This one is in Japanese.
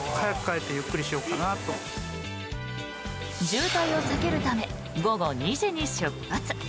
渋滞を避けるため午後２時に出発。